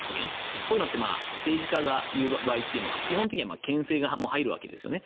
こういうのって政治家が言う場合というのは基本的にはけん制が入るわけですね。